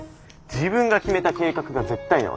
自分が決めた計画が絶対なわけ。